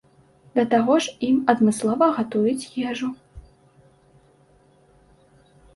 Да таго ж ім адмыслова гатуюць ежу.